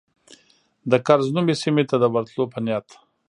د کرز نومي سیمې ته د ورتلو په نیت.